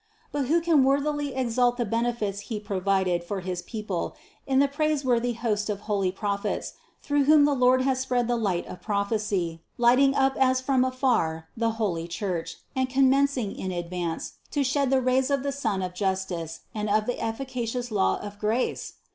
162. But who can worthily exalt the benefits He pro vided for his people in the praiseworthy host of holy Prophets, through whom the Lord has spread the light of prophecy, lighting up as from afar the holy Church, and commencing in advance to shed the rays of the Sun of justice and of the efficacious law of grace?